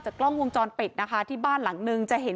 กล้องวงจรปิดนะคะที่บ้านหลังนึงจะเห็น